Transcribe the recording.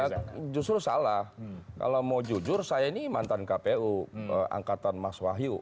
ya justru salah kalau mau jujur saya ini mantan kpu angkatan mas wahyu